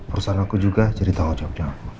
perusahaan aku juga jadi tanggung jawabnya aku